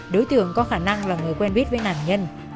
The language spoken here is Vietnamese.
đối tượng có khả năng là người quen biết với nạn nhân